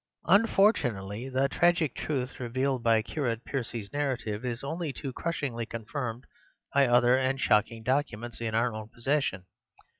"Unfortunately the tragic truth revealed by Curate Percy's narrative is only too crushingly confirmed by other and shocking documents in our own possession.